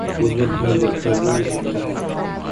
مثبت پہلو رکھتا ہے۔